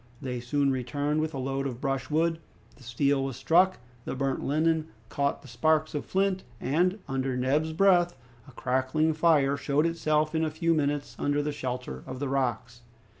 They soon returned with a load of brushwood. The steel was struck, the burnt linen caught the sparks of flint, and, under Neb's breath, a crackling fire showed itself in a few minutes under the shelter of the rocks.